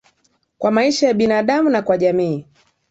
kwa maisha ya binadamu na kwa jamii